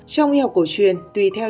trong nghi học cổ truyền tùy theo